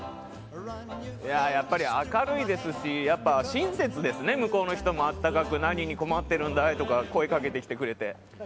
やっぱり明るいですし親切ですね、向こうの人も温かく何に困ってるんだい？とか声をかけてくれたりして。